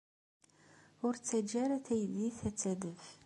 Ur ttaǧǧa ara taydit ad d-tadef.